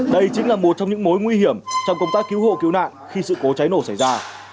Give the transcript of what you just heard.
đây chính là một trong những mối nguy hiểm trong công tác cứu hộ cứu nạn khi sự cố cháy nổ xảy ra